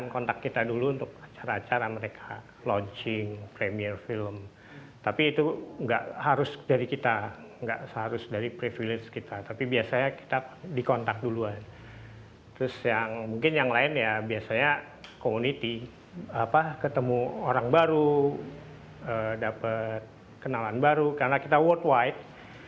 komunitas ketemu orang baru dapat kenalan baru karena kita worldwide